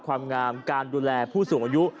ความงามการดูแลผู้สูงอายุ